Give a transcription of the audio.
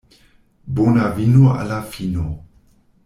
Bona vino al la fino.